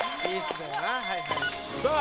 さあ。